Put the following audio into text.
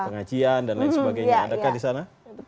pengajian dan lain sebagainya adakah di sana